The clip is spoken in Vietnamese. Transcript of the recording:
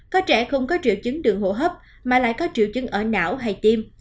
có trẻ không có triệu chứng đường hồ hấp mà lại có triệu chứng ở não hay tim